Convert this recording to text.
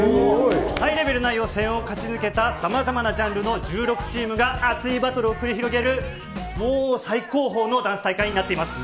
ハイレベルな予選を勝ち抜けたさまざまなジャンルの１６チームが熱いバトルを繰り広げる、もう、最高峰のダンス大会になっています。